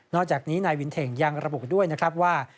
อกจากนี้นายวินเท่งยังระบุด้วยนะครับว่า